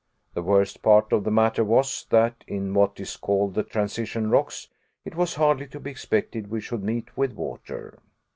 The worst part of the matter was that, in what is called the transition rocks, it was hardly to be expected we should meet with water!